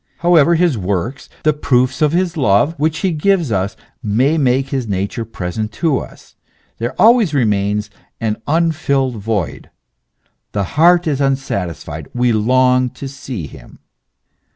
However his works, the proofs of love which he gives us, may make his nature present to us, there always remains an unfilled void, the heart is un satisfied, we long to see him.